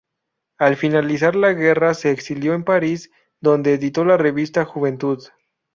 Al finalizar la guerra se exilió en París, donde editó la revista "Juventud".